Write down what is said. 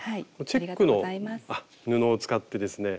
チェックの布を使ってですね